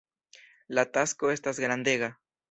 La tasko estas grandega.